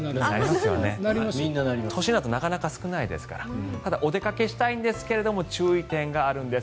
都心だとなかなか少ないですからただお出かけしたいですが注意点があるんです。